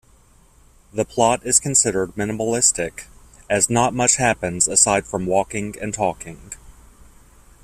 The plot is considered minimalistic, as not much happens aside from walking and talking.